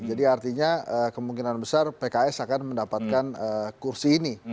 jadi artinya kemungkinan besar pks akan mendapatkan kursi ini